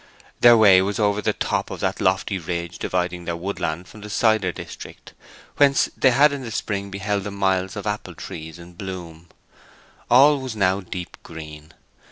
Their way was over the top of that lofty ridge dividing their woodland from the cider district, whence they had in the spring beheld the miles of apple trees in bloom. All was now deep green.